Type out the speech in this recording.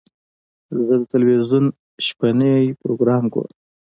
زه د تلویزیون شپهني پروګرام ګورم.